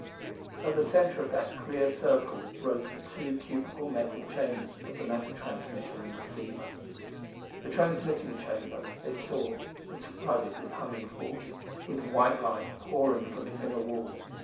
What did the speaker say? At the center of that clear circle rose the two cubical metal chambers of the matter transmitter and receiver. The transmitting chamber, they saw, was flooded with humming force, with white light pouring from its inner walls.